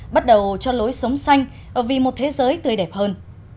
bắt đầu cho lối sống xanh vì một thế giới tươi đẹp hơn